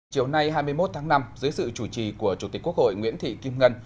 chiều nay hai mươi một tháng năm dưới sự chủ trì của chủ tịch quốc hội nguyễn thị kim ngân